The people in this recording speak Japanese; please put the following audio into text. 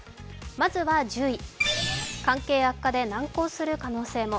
まずは１０位、関係悪化で難航する可能性も。